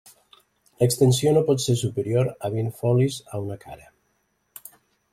L'extensió no pot ser superior a vint folis a una cara.